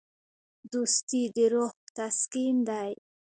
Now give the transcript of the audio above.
دوستي د روح تسکین دی.